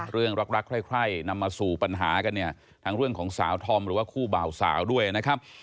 เรื่องรักใครนำมาสู่ปัญหากันเนี่ยทั้งเรื่องของสาวธอมหรือว่าคู่บ่าวสาวด้วยนะครับ